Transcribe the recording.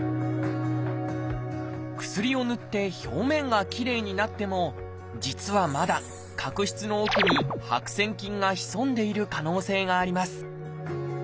薬をぬって表面がきれいになっても実はまだ角質の奥に白癬菌が潜んでいる可能性があります。